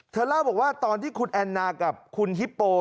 เล่าบอกว่าตอนที่คุณแอนนากับคุณฮิปโป